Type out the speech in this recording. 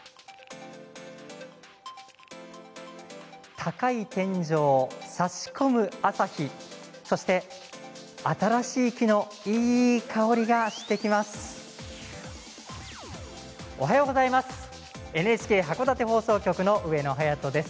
高い天井差し込む、朝日そして新しい木のいい香りがしてきます。